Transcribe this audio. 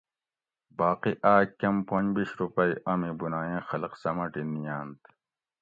باقی آۤک کۤم پنج بِیش روپئی امی بناییں خلق سۤمٹی نئینت